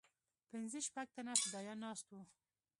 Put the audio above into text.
پنځه شپږ تنه فدايان ناست وو.